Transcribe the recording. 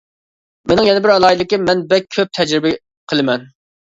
مىنىڭ يەنە بىر ئالاھىدىلىكىم، مەن بەك كۆپ تەجرىبە قىلىمەن.